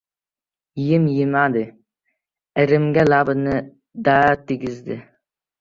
Yem yemadi. Irimiga labini-da tegizmadi.